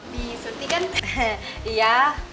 di surti kan iya